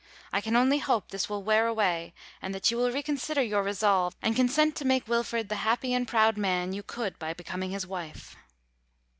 I can only hope this will wear away and that you will reconsider your resolve and consent to make Wilfred the happy and proud man you could, by becoming his wife.